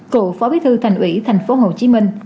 cụ phó bí thư thành ủy tp cn